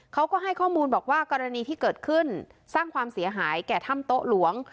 เขาก็ให้ข้อมูลบอกว่ากรณีที่เกิดขึ้นสร้างความเสียหายแก่ถ้ำโต๊ะหลวง